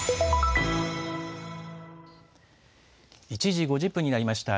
１時５０分になりました。